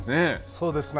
そうですね。